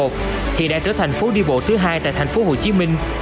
thì đã trở thành phố đi bộ thứ hai tại thành phố hồ chí minh